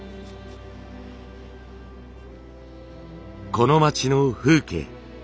この町の風景。